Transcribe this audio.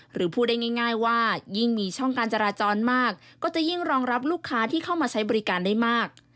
หรือพูดได้ง่ายว่ายิ่งมีช่องการจราจรมากก็จะยิ่งรองรับลูกค้าที่เข้ามาใช้บริการได้มาก